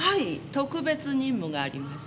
特別任務があります。